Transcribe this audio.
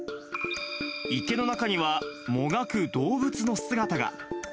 池の中には、もがく動物の姿が。